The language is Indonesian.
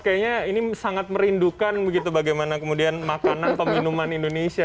kayaknya ini sangat merindukan gitu bagaimana kemudian makanan peminuman indonesia